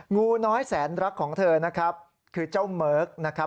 งูน้อยแสนรักของเธอนะครับคือเจ้าเมิร์กนะครับ